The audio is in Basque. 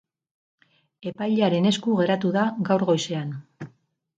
Epailearen esku geratu da gaur goizean.